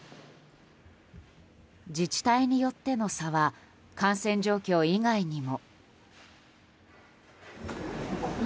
自治体によっての差は感染状況以外にも。